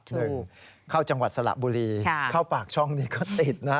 หนึ่งเข้าจังหวัดสระบุรีเข้าปากช่องนี้ก็ติดนะ